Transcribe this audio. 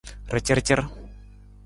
Racarcar.